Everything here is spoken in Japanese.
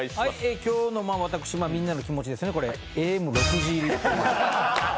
今日の、私、みんなの気持ちですね、これ。